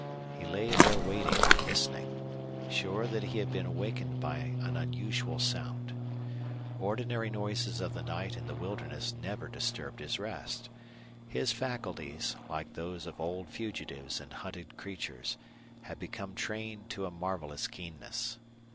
He lay there waiting, listening, sure that he had been awakened by an unusual sound. Ordinary noises of the night in the wilderness never disturbed his rest. His faculties, like those of old fugitives and hunted creatures, had become trained to a marvelous keenness.